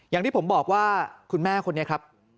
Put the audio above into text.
อย่างที่ผมบอกว่าคุณแม่คนนี้ครับ